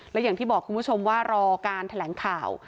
และอย่างที่บอกคุณผู้ชมว่ารอการแถลงข่าว